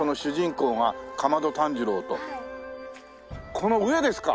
この上ですか？